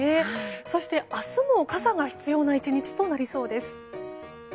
そして明日も傘が必要な１日となりそうです。